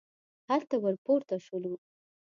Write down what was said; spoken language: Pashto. هلته ور پورته شولو.